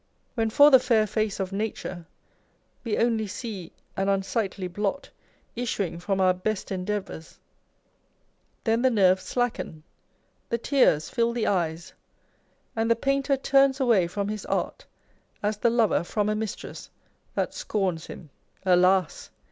When for the fair face of nature, we only see an unsightly blot issuing from our best endeavours, then the nerves slacken, the tears fill the eyes, and the painter turns away from his art, as the lover from a mistress, that scorns him. Alas